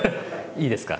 いいですか？